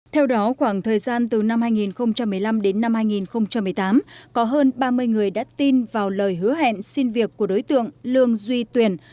theo đó khoảng thời gian từ năm hai nghìn một mươi năm đến năm hai nghìn một mươi tám có hơn ba mươi người đã tin vào lời hứa hẹn xin việc của đối tượng lương duy tuyển